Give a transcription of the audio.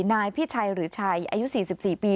นายพิชัยหรือชัยอายุ๔๔ปี